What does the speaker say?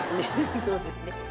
そうですね。